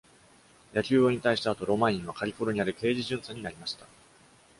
野球を引退した後、ロマインはカリフォルニアで刑事巡査になりました。